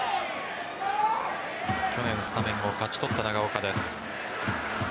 去年スタメンを勝ち取った長岡です。